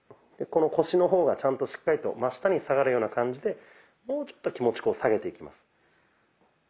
この腰の方がちゃんとしっかりと真下に下がるような感じでもうちょっと気持ち下げていきます。